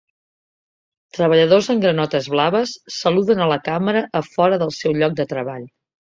Treballadors en granotes blaves saluden a la càmera a fora del seu lloc de treball.